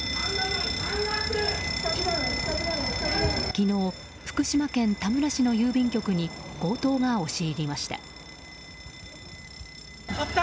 昨日、福島県田村市の郵便局に強盗が押し入りました。